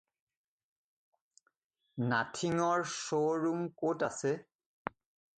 নাথিঙৰ শ্ব’ৰুম ক’ত আছে?